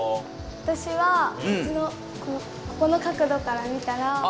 わたしはこの角度から見たら。